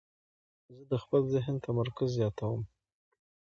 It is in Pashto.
زه د خپل ذهن تمرکز زیاتوم.